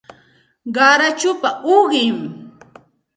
Qarachupa uqim